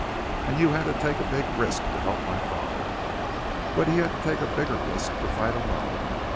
And you had to take a big risk to help my father. But he had to take a bigger risk to fight alone.